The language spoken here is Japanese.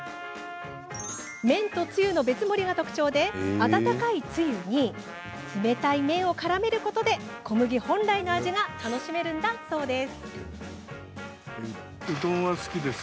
麺とつゆの別盛りが特徴で温かいつゆに冷たい麺をからめることで小麦本来の味が楽しめるんだそうです。